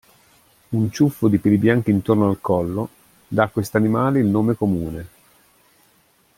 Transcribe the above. Un ciuffo di peli bianchi intorno al collo dà a quest'animale il nome comune.